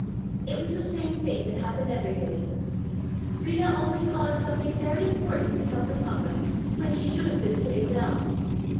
It was the same thing that happened every day. Rita always thought of something very important to tell her papa, when she should have been sitting down.